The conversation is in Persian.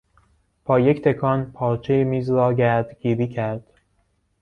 با یک تکان پارچه میز را گردگیری کرد.